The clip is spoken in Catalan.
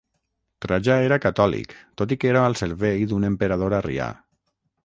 Trajà era catòlic tot i que era al servei d'un emperador arrià.